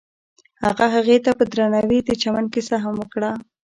هغه هغې ته په درناوي د چمن کیسه هم وکړه.